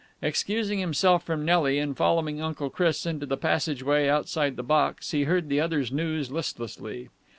Excusing himself from Nelly and following Uncle Chris into the passage way outside the box, he heard the other's news listlessly.